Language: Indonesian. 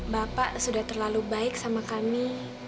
bapak sudah terlalu baik sama kami